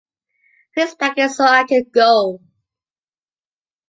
please pack it so I can go